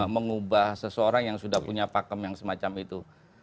mengubah seseorang yang sudah punya pakem yang semacam itu